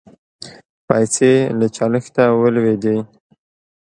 پیسې له چلښته ولوېدې.